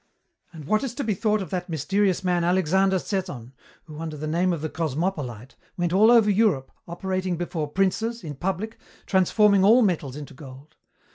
"And what is to be thought of that mysterious man Alexander Sethon who, under the name of the Cosmopolite, went all over Europe, operating before princes, in public, transforming all metals into gold?